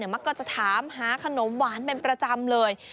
มักจะถามหาขนมหวานเป็นประจำเลย